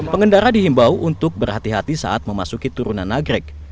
pengendara dihimbau untuk berhati hati saat memasuki turunan nagrek